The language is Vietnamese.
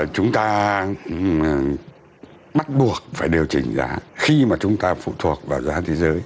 chúng ta bắt buộc phải điều chỉnh giá khi mà chúng ta phụ thuộc vào giá thế giới